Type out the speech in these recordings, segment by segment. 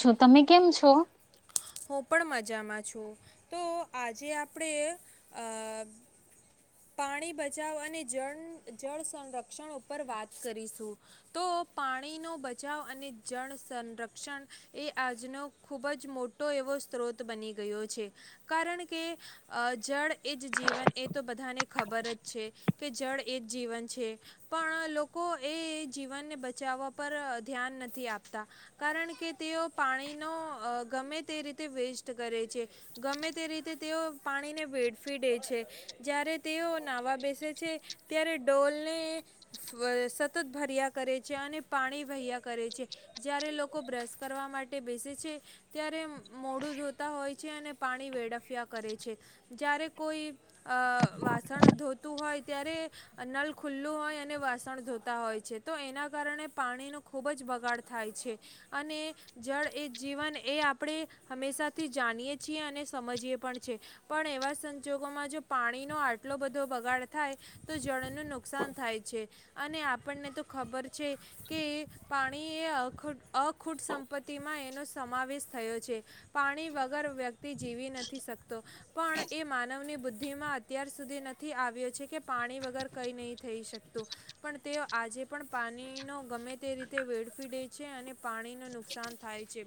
છું. તમે કેમ છો? હું પણ મજામાં છું તો આજે આપણે અ પાણી બચાવ અને જળ જળ સંરક્ષણ ઉપર વાત કરીશું તો પાણીનો બચાવ અને જળ સંરક્ષણ એ આજનો ખૂબ જ મોટો ટો એવો સ્ત્રોત બની ગયો છે કારણ કે જળ એ જ જીવન એ તો બધાને ખબર જ છે કે જળ એ જ જીવન છે પણ લોકો એ જીવનને બચાવવા પર ધ્યાન નથી આપતા કારણ કે તેઓ પાણીનો ગમે તે રીતે વેસ્ટ કરે છે ગમે તે રીતે તેઓ પાણીને વેડફી દે છે જ્યારે તેઓ નાહવા બેસે છે ત્યારે ડોલને સતત ભર્યા કરે છે અને પાણી વહ્યા કરે છે જ્યારે લોકો બ્રશ કરવા માટે બેસે છે ત્યારે મોડું ધોતા હોય છે અને પાણી વેડફિયા કરે છે જ્યારે કોઈ વાસણ ધોતું હોય ત્યારે નલ ખુલ્લું હોય અને વાસણ ધોતા હોય છે તો એના કારણે પાણીનો ખૂબ જ બગાડ થાય છે અને જળ એ જીવન એ આપણે હંમેશાથી જાણીએ છીએ અને સમજીએ પણ છે પણ એવા સંજોગોમાં જો પાણીનો આટલો બધો બગાડ થાય તો જળનું નુકસાન થાય છે અને આપણને તો ખબર છે. કે પાણી એ અખૂટ સંપત્તિમાં એનો સમાવેશ થયો છે. પાણી વગર વ્યક્તિ જીવી નથી શકતો. પણ એ માનવની બુદ્ધિ માં અત્યાર સુધી નથી આવ્યો છે કે પાણી વગર કઈ નહી થઈ શકતું. પણ તેઓ આજે પણ પાણીનો ગમે તે રીતે વેડફીડે છે. અને પાણીનું નુકસાન થાય છે.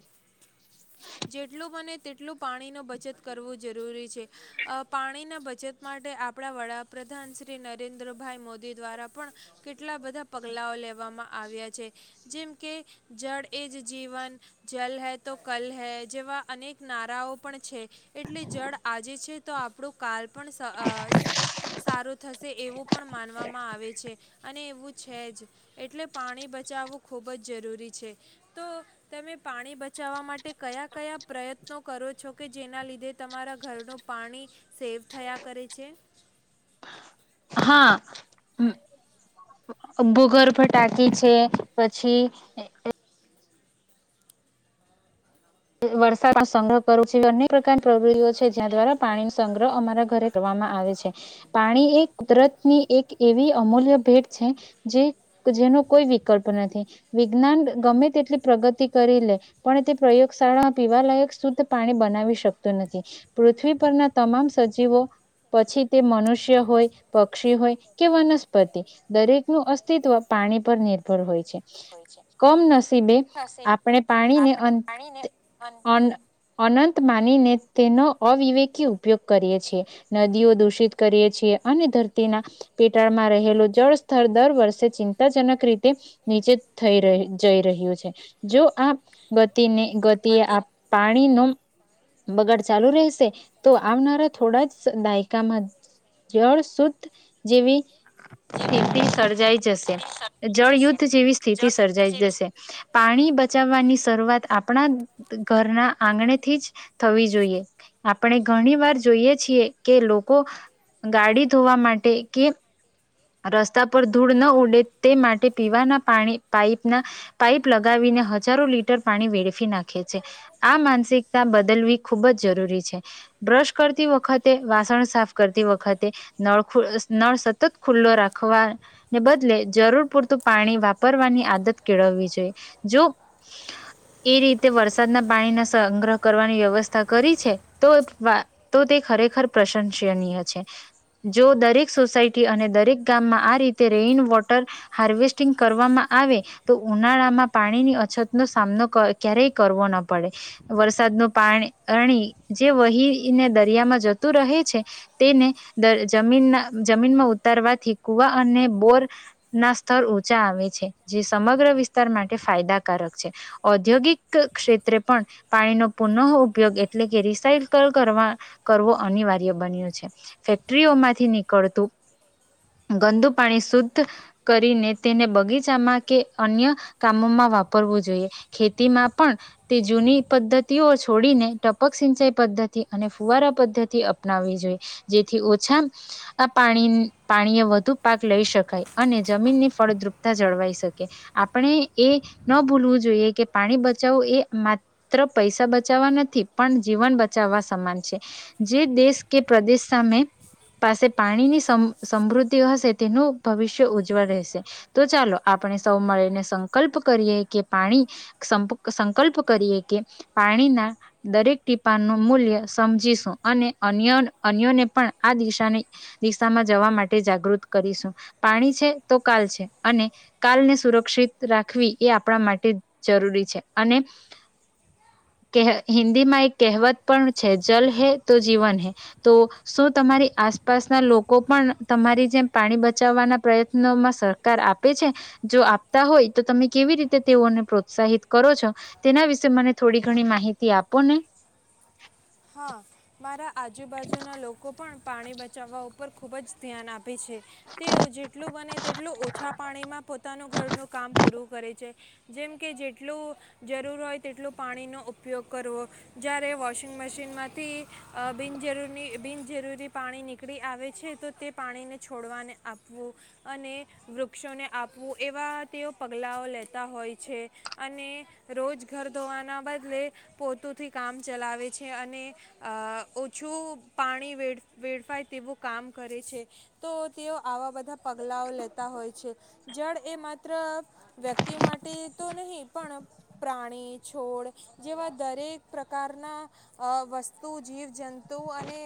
જેટલું બને તેટલું પાણીનો બચત કરવું જરૂરી છે. પાણીના બચત માટે આપણા વડાપ્રધાન શ્રી નરેન્દ્રભાઈ મોદી દ્વારા પણ કેટલા બધા પગલાંઓ લેવામાં આવ્યા છે. જેમ કે, જળ એ જ જીવન જલ હે તો કલ હે. જેવા અનેક નારાઓ પણ છે. એટલે જળ આજે છે. તો આપણું કાલ પણ સારું થશે એવું પણ માનવામાં આવે છે. અને એવું છે. જ એટલે પાણી બચાવવું ખૂબ જ જરૂરી છે. તો તમે પાણી બચાવવા માટે કયા કયા પ્રયત્નો કરો છો કે જેના લીધે તમારા ઘરનું પાણી સેવ થયા કરે છે. હા, ભૂગર્ભ ટાકી છે. પછી વરસાદનો સંગ્રહ કરવું અનેક પ્રકારની પ્રવૃત્તિઓ છે. જ્યાં દ્વારા પાણીનો સંગ્રહ અમારા ઘરે કરવામાં આવે છે, પાણી એ કુદરતની એક એવી અમૂલ્ય ભેટ છે જે જેનો કોઈ વિકલ્પ નથી વિજ્ઞાન ગમે તેટલી પ્રગતિ કરી લે પણ તે પ્રયોગ શાળામાં પીવાલાયક શુદ્ધ પાણી બનાવી શકતું નથી. પૃથ્વી પરના તમામ સજીવો પછી તે મનુષ્ય હોય, પક્ષી હોય, કે વનસ્પતિ દરેક નું અસ્તિત્વ પાણી પર નિર્ભર હોય છે. કમ નસીબે આપણે પાણીને અન અન અનંત માનીને તેનો અવિવેકી ઉપયોગ કરીએ છીએ. નદીઓ દૂષિત કરીએ છીએ અને ધરતીના પેટાળમાં રહેલું જળ સ્તર દર વર્ષે ચિંતાજનક રીતે નીચે થઈ જઈ રહ્યું છે, જો આ ગતીને ગતિએ આ પાણી ન બગાડ ચાલુ રહેશે તો આવનારા થોડા જ દાયકામાં જળ શુદ્ધ જેવી. સ્થિતિ સર્જાઈ જશે, જળયુદ્ધ જેવી સ્થિતિ સર્જાઈ જશે. પાણી બચાવવાની શરૂઆત આપણા ઘરના આંગણેથી જ થવી જોઈએ, આપણે ઘણી વાર જોઈએ છીએ કે લોકો ગાડી ધોવા માટે કે રસ્તા પર ધૂળ ન ઉડે તે માટે પીવાના પાણી પાઈપના પાઈપ લગાવીને હજારો લીટર પાણી વેડફી નાખે છે. આ માનસિકતા બદલવી ખૂબ જ જરૂરી છે, બ્રશ કરતી વખતે વાસણ સાફ કરતી વખતે નળ ખૂ નળ સતત ખુલ્લો રાખવાને બદલે જરૂર પૂરતું પાણી વાપરવાની આદત કેળવવી જોઈએ, જો એ રીતે વરસાદના પાણીના સંગ્રહ કરવાની વ્યવસ્થા કરી છે, તો તોતે ખરેખર પ્રશંસનીય છે. જો દરેક સોસાયટી અને દરેક ગામમાં આ રીતે રેઈન વોટર હાર્વેસ્ટિંગ કરવામાં આવે તો ઉનાળામાં પાણીની અછતનો સામનો ક્યારેય કરવો ન પડે વરસાદનું પાણી પાણી જે વહીને દરિયામાં જતું રહે છે, તેને જમીનના જમીનમાં ઉતરવાથી કુવા અને બોર ના સ્તર ઊંચા આવે છે, જે સમગ્ર વિસ્તાર માટે ફાયદાકારક છે. ઔદ્યોગિક ક્ષેત્રે પણ પાણીનો પુનઃ ઉપયોગ એટલે કે રિસાયકલ કરવા કરવો અનિવાર્ય બન્યું છે, ફેક્ટરીઓમાંથી નીકળતું ગંદુ પાણી શુદ્ધ કરીને તેને બગીચામાં કે અન્ય કામોમાં વાપરવું જોઈએ. ખેતીમાં પણ તે જૂની પદ્ધતિઓ છોડીને ટપક સિંચાઈ પદ્ધતિ અને ફુવારા પદ્ધતિ અપનાવી જોઈએ, જેથી ઓછા આ પાણી પાણીએ વધુ પાક લઈ શકાય અને જમીનની ફળદ્રુપતા જળવાઈ શકે, આપણે એ ન ભૂલવું જોઈએ કે પાણી બચાવું એ માત્ર પૈસા બચાવવા નથી, પણ જીવન બચાવવા સમાન છે. જે દેશ કે પ્રદેશ સામે પાસે પાણીની સમ સમૃદ્ધિ હશે તેનું ભવિષ્ય ઉજ્જવળ રહેશે તો ચાલો આપણે સૌ મળીને સંકલ્પ કરીએ કે પાણી સંકલ્પ કરીએ કે પાણીના દરેક ટીપા નું મૂલ્ય સમજીશું અને અન્ય અન્યોને પણ આ દિશાની દિશામાં જવા માટે જાગૃત કરીશું પાણી છે તો કાલ છે અને કાલને સુરક્ષિત રાખવી એ આપણા માટે જરૂરી છે અને કે હિન્દીમાં એક કહેવત પણ છે, જલ હૈ તો જીવન હૈ તો શું તમારી આસપાસના લો કો પણ તમારી જેમ પાણી બચાવવાના પ્રયત્નોમાં સરકાર આપે છે, જો આપતા હોય તો તમે કેવી રીતે તેઓને પ્રોત્સાહિત કરો છો, તેના વિશે મને થોડી ઘણી માહિતી આપો ને. હા, મારા આજુબાજુનાં લોકો પણ પાણી બચાવવા ઉપર ખુબ જ ધ્યાન આ આપે છે. તેઓ જેટલું બને તેટલું ઓછા પાણીમાં પોતાનું ઘરનું કામ પૂરું કરે છે. જેમ કે, જેટલું જરૂર હોય તેટલું પાણીનો ઉપયોગ કરવો જ્યારે વો મશીનમાંથી બિનજરૂરી બિનજરૂરી પાણી નીકળી આવે છે. તો તે પાણીને છોડવાને આપવું અને વૃક્ષોને આપવું એવા તેઓ પગલાંઓ લેતા હોય છે. અને રોજ ઘર ધોવાના બદલે પોતુથી કામ ચલાવે છે અને અ ઓછું પાણી વ વેડફાય તેવું કામ કરે છે. તો તેઓ આવા બધા પગલાઓ લેતા હોય છે. જળ એ માત્ર વ્યક્તિ માટે તો નહીં પણ પ્રાણી, છોડ જેવા દરેક પ્રકારના વસ્તુ, જીવજંતુ અને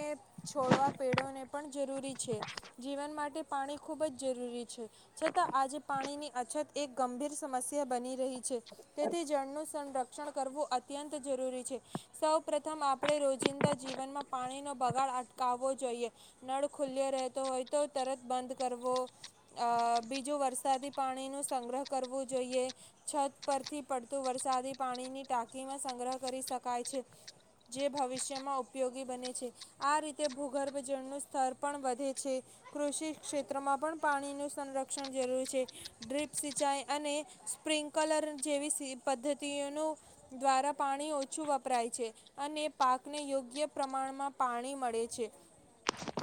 છોડવા પેડોને પણ જરૂરી છે. જીવન માટે પાણી ખૂબ જ જરૂરી છે. છતાં આજે પાણીની અછત એક ગંભીર સમસ્યા બની રહી છે. તેથી જળનું સંરક્ષણ કરવું અત્યંત જરૂરી છે. સૌ સૌ પ્રથમ આપણે રોજિંદા જીવનમાં પાણીનો બગાડ અટકાવવો જોઈએ. નળ ખુલ્લ્યો રહેતો હોય તો તરત બંધ કરવો. બીજું વરસાદી પાણીનું સંગ્રહ કરવું જોઈએ. છત પરથી પડતું વરસાદી પાણીની ટાંકીમાં સંગ્રહ કરી શકાય છે. જે ભવિષ્યમાં ઉપયોગી બને છે. આ રીતે ભૂગર્ભ જળનું સ્તર પણ વધે છે. કૃષિ ક્ષેત્રમાં પણ પાણીનું સંરક્ષણ જરૂર છે. ડ્રીપ સિંચાઈ અને સ્પ્રિન્કલર જેવી પદ્ધતિઓનું દ્વારા પાણી ઓછું વપરાય છે. અને પાકને યોગ્ય પ્રમાણમાં પાણી મળે છે.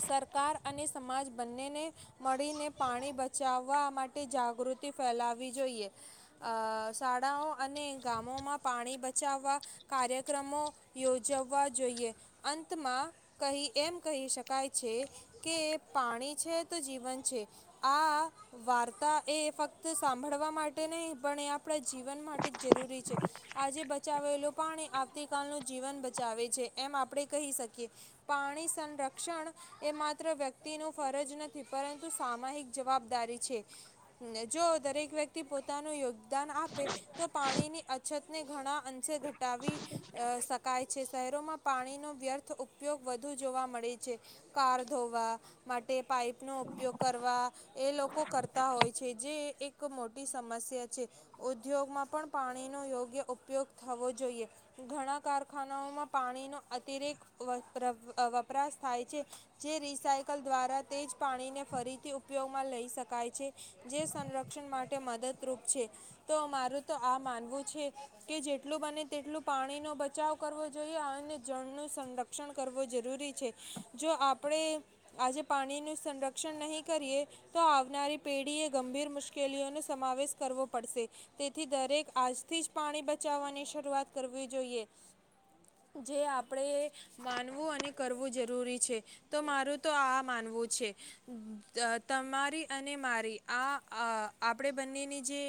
સરકાર અને સમાજ બંનેને મળીને પાણી બચાવવા માટે જાગૃતિ ફેલાવી જોઈએ અ શાળાઓ અને ગામોમાં પાણી બચાવવા કાર્યક્રમો યોજવવા જોઈએ. અંતમાં કહી એમ કહી શકાય છે. કે પાણી છે. તો જીવન છે. આ વાર્તા એ ફક્ત સાંભળવા માટે નહીં, પણ એ આપણા જીવન માટે જ જરૂરી છે આજે બચાવેલું પાણી આવતીકાલનું જીવન બચાવે છે. એમ આપણે કહી શકીએ પાણી સંરક્ષણ એ માત્ર વ્યક્તિ ન ફરજ નથી, પરંતુ સામાહિક જવાબદારી છે. જો દરેક વ્યક્તિ પોતાનું યોગદાન આપે તો પાણીની અછતને ઘણા અંશે ઘટાવી શકે. છે શહેરોમાં પાણીનો વ્યર્થ ઉપયોગ વધુ જોવા મળે છે. કાર ધોવા માટે પાઈપનો ઉપયોગ કરવા એ લોકો કરતા હોય છે જે એક. મોટી સમસ્યા છે ઉદ્યોગમાં પણ પાણીનો યોગ્ય ઉપયોગ થવો જોઈએ ઘણા. કારખાનાઓમાં પાણીનો અતિરેક વપરાશ થાય છે જે રિસાયકલ દ્વારા તે જ પાણીને ફરીથી ઉપયોગમાં લઈ શકાય છે જે સંરક્ષણ માટે મદદરૂપ છે તો મારું તો આ માનવું છે કે જેટલું બને તેટલું પાણીનો. બચાવ કરવો જોઈએ અને જળનું સંરક્ષણ કરવું જરૂરી છે જો આપણે આજે પાણીનું સંરક્ષણ નહીં કરીએ તો આવનારી પેઢીએ ગંભીર મુશ્કેલીઓનો સમાવેશ કરવો પડશે તેથી દરેક આજથી જ પાણી બચાવવાની શરૂઆત કરવી જોઈએ. જે આપણેે માનવું અને કરવું જરૂરી. છે તો મારું તો આ માનવું છે તમારી અને મારી આ આપણે બંનેની જે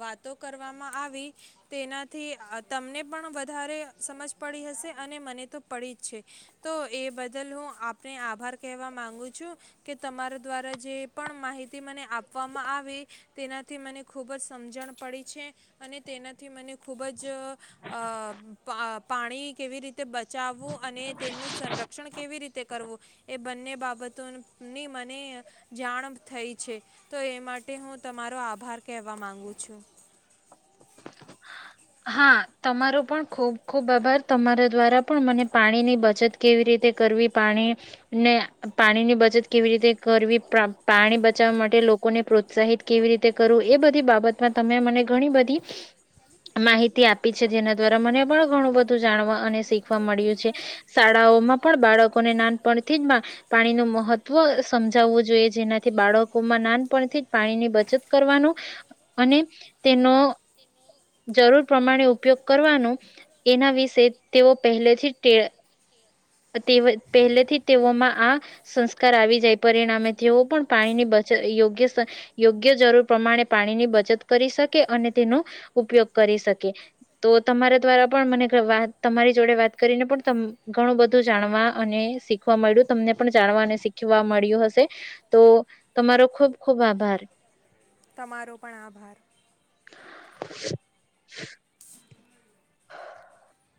વાતો કરવામાં આવી તેનાથી તમને પણ. ધારે સમજ પડી હશે અને મને તો પડી જ છે તો એ બદલ હું આપને આભાર કહેવા માંગુ છું કે તમારા દ્વારા જે પણ માહિતી મને આપવામાં આવે તેનાથી મને ખુબ જ સમજણ પડી છે. અને તેનાથી મને ખૂબ જ અ પાણી કેવી રીતે તે બચાવવું અને તેનું સંરક્ષણ કેવી રીતે કરવો એ બંને બાબતોની મને જાણ થઈ છે તો એ માટે હું તમારો આભાર કહેવા માંગુ છું. હા તમારો પણ ખૂબ ખુબ આભાર તમારા દ્વારા પણ મને પાણીની બચત કેવી રીતે કરવી પાણી ને પાણીની બચત કેવી રીતે કરવી પાણી બચાવવા માટે લોકોને પ્રોત્સાહિત કેવી રીતે કરવું એ બધી બાબતમાં તમે મને ઘણી બધી માહિતી આપી છે જેના દ્વારા મને પણ ઘણું બધું જાણવા અને મમ્મી શીખ વા ભૈયાક મળ્યું બોલી છે ખાઈ લે શાળાઓમાં પણ બાળકોને નાનપણથી જ પાણી ન મહત્વ વ સમજાવવું જોઈએ જેનાથી બાળકોમાં નાનપણથી જ પાણી ની બચત કરવાનું અને તેનો જરૂર પ્રમાણે ઉપયોગ કરવાનું એના વિશે તેઓ પહેલેથી જ ટે તે પહેલેથી તેઓમાં આ સંસ્કાર આવી જાય પરિણામે તેઓ પણ પાણીની બચત યોગ્ય યોગ્ય જરૂર પ્રમાણે પાણીની બચત કરી શકે અને તેનો ઉપયોગ કરી શકે તો તમારા દ્વારા પણ મને તમારી જોડે વાત કરીને પણ ઘણું બધું જાણવા અને શીખવા મળ્યું તમને પણ જાણવા અને શીખવા મળ્યું હશે તો તમારો ખુબ ખુબ આભાર. તમારો પણ આભાર. [inaudible]